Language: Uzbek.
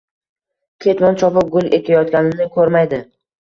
ketmon chopib gul ekayotganini ko‘rmaydi.